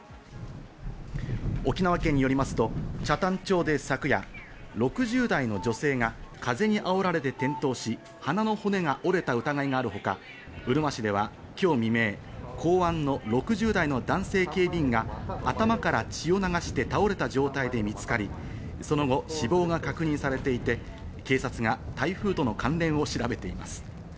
沖縄県によりますと北谷町で昨夜、６０代の女性が風にあおられて転倒し鼻の骨が折れた疑いがあるほか、うるま市では今日未明、港湾の６０代の男性警備員が頭から血を流して倒れた状態で見つかり、その後、死亡が確認されていて、警察が台風との関連を調べています。